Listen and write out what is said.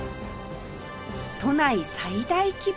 都内最大規模！